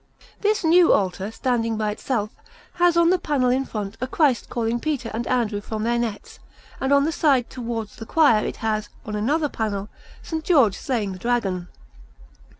This new altar, standing by itself, has on the panel in front a Christ calling Peter and Andrew from their nets, and on the side towards the choir it has, on another panel, S. George slaying the Dragon.